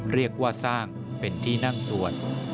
เรียกว่าสร้างเป็นที่นั่งสวด